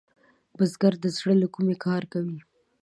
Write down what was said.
بزګر د زړۀ له کومي کار کوي